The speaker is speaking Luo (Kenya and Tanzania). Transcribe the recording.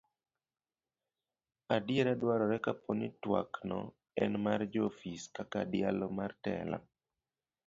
adiera dwarore kapo ni twak no en mar joofis kaka dialo mar telo